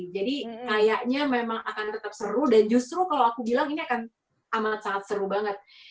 jadi kayaknya memang akan tetap seru dan justru kalau aku bilang ini akan amat amat seru banget